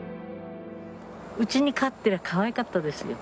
家に飼ってりゃかわいかったですよ。